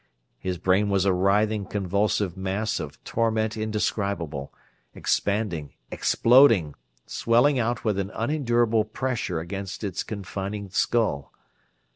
His brain was a writhing, convulsive mass of torment indescribable; expanding, exploding, swelling out with an unendurable pressure against its confining skull.